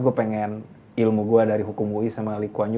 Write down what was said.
gue pengen ilmu gue dari hukum ui sama likuanyu